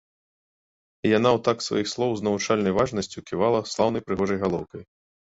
І яна ў такт сваіх слоў з навучальнай важнасцю ківала слаўнай прыгожай галоўкай.